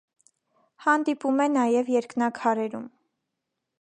Հանդիպում է նաև երկնաքարերում։